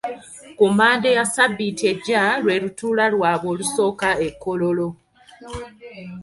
Ku Mmande ya sabiiti ejja lwe lutuula lwabwe olusooka e Kololo.